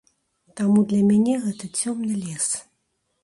Таму для мяне гэта цёмны лес.